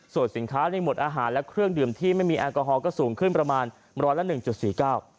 ส่วนสินค้าในหมวดอาหารและเครื่องดื่มที่ไม่มีแอลกอฮอลก็สูงขึ้นประมาณร้อนละ๑๔๙